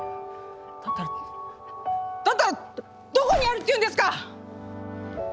だったらだったらどこにあるっていうんですか！